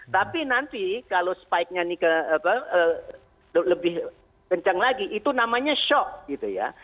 tapi nanti kalau spike nya ini lebih kencang lagi itu namanya shock gitu ya